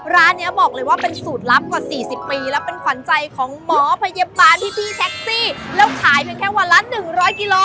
ร้านนี้บอกเลยว่าเป็นสูตรลับกว่า๔๐ปีแล้วเป็นขวัญใจของหมอพยาบาลพี่แท็กซี่แล้วขายเพียงแค่วันละ๑๐๐กิโล